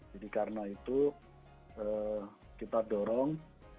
jadi karena itu kita dorong